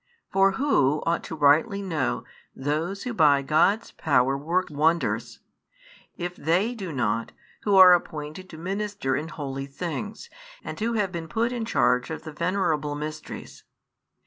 For who ought to rightly know those who by God's power work wonders, if they do not who are appointed to minister in holy things and who have been put in charge of the venerable mysteries?